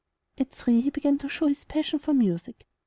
At three, he began to show his passion for music.